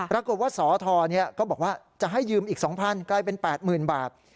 รับกลุ่มว่าสธก็บอกว่าจะให้ยืมอีก๒๐๐๐บาทกลายเป็น๘๐๐๐๐บาท